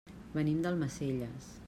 Venim d'Almacelles.